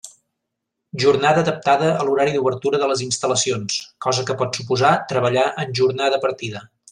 Jornada adaptada a l'horari d'obertura de les instal·lacions, cosa que pot suposar treballar en jornada partida.